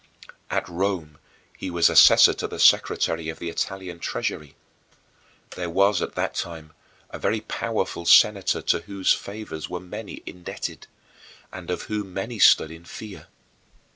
At Rome he was assessor to the secretary of the Italian Treasury. There was at that time a very powerful senator to whose favors many were indebted, and of whom many stood in fear.